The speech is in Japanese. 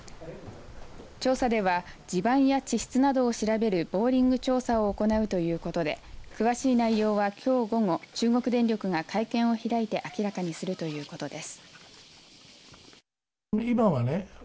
調査では地盤や地質などを調べるボーリング調査を行うということで詳しい内容はきょう午後中国電力が会見を開いて明らかにするということです。